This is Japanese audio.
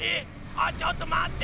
あちょっとまって！